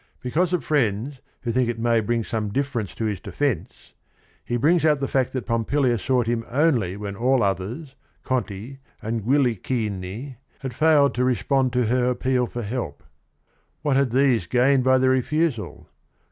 Because of friends who think it may make some difference to his defence, — he brings out the fact that Pompilia sought him only when all others, Conti and Guillichini, had failed to re spond to her appeal for help. What had these gained by their refusal